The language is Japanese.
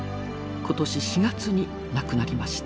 今年４月に亡くなりました。